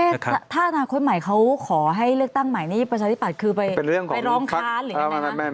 ถ้าอนาคตใหม่เขาขอให้เลือกตั้งใหม่นี่ประชาธิปัตย์คือไปร้องค้านหรือยังไงคะ